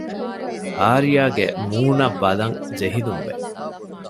އާރްޔާގެ މޫނަށް ބަލަން ޖެހިލުންވެ